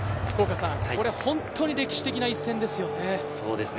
これは本当に歴史的な一戦ですよね。